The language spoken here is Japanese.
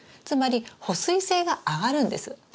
つまり保水性が上がるんです。